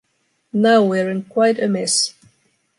Now we’re in quite a mess.